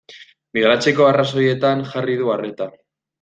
Migratzeko arrazoietan jarri du arreta.